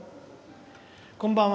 「こんばんは。